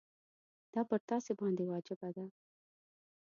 دا پر تاسي باندي واجبه ده.